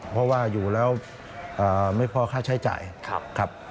เพราะว่าอยู่แล้วไม่พอค่าใช้จ่ายครับ